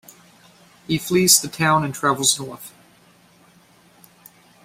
He flees the town and travels north.